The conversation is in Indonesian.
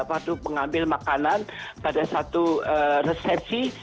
waktu mengambil makanan pada satu resepsi